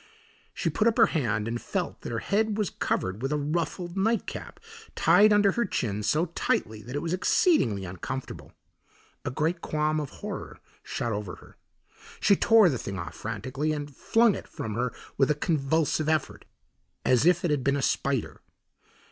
She put up her hand and felt that her head was covered with a ruffled nightcap tied under her chin so tightly that it was exceedingly uncomfortable. A great qualm of horror shot over her. She tore the thing off frantically and flung it from her with a convulsive effort as if it had been a spider.